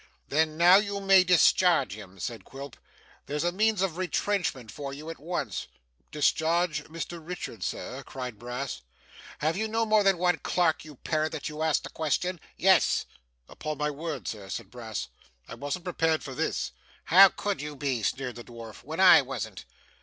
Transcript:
'Then now you may discharge him,' said Quilp. 'There's a means of retrenchment for you at once.' 'Discharge Mr Richard, sir?' cried Brass. 'Have you more than one clerk, you parrot, that you ask the question? Yes.' 'Upon my word, Sir,' said Brass, 'I wasn't prepared for this ' 'How could you be?' sneered the dwarf, 'when I wasn't?